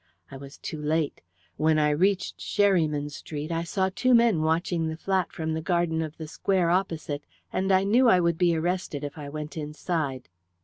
I was too late. When I reached Sherryman Street I saw two men watching the flat from the garden of the square opposite, and I knew I would be arrested if I went inside.